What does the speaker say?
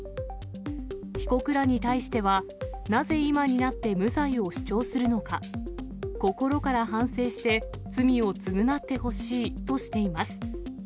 被告らに対しては、なぜ今になって無罪を主張するのか、心から反省して罪を償ってほしいとしています。